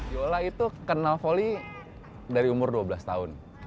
yola itu kenal volley dari umur dua belas tahun